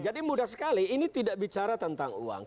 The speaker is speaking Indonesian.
jadi mudah sekali ini tidak bicara tentang uang